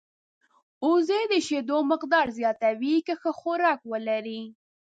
وزې د شیدو مقدار زیاتوي که ښه خوراک ولري